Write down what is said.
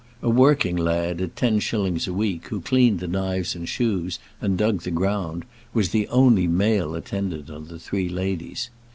A working lad, at ten shillings a week, who cleaned the knives and shoes, and dug the ground, was the only male attendant on the three ladies.